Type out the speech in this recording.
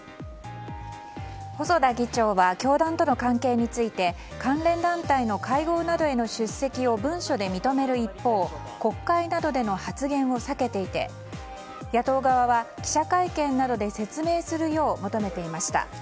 細田議長は教団との関係について関連団体の会合などへの出席を文書で認める一方国会などでの発言を避けていて野党側は記者会見などで説明するよう求めていました。